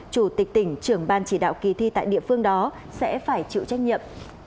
chủ tịch tỉnh trưởng ban chỉ đạo kỳ thi tại địa phương đó sẽ phải chịu trách nhiệm